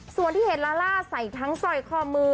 ส่วนที่เห็นลาล่าใส่ทั้งสร้อยคอมือ